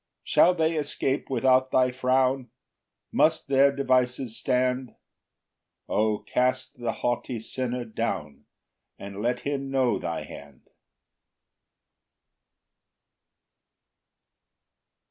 5 Shall they escape without thy frown? Must their devices stand? O cast the haughty sinner down, And let him know thy hand!